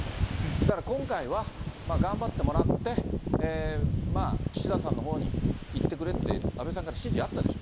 だから今回は、頑張ってもらって、まあ、岸田さんのほうに行ってくれって安倍さんから支持があったでしょ